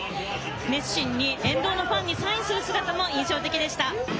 熱心に沿道のファンにサインする姿も印象的でした。